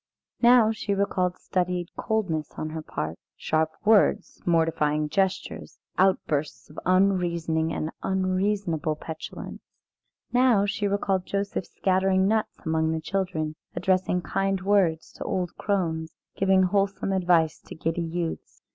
Now she recalled studied coldness on her part, sharp words, mortifying gestures, outbursts of unreasoning and unreasonable petulance. Now she recalled Joseph scattering nuts among the children, addressing kind words to old crones, giving wholesome advice to giddy youths.